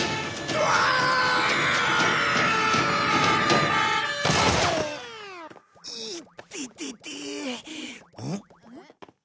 うん？